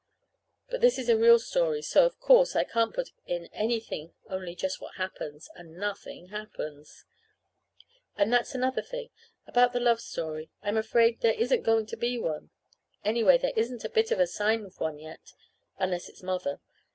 But this is a real story, so, of course, I can't put in anything only just what happens; and nothing happens. And that's another thing. About the love story I'm afraid there isn't going to be one. Anyway, there isn't a bit of a sign of one, yet, unless it's Mother.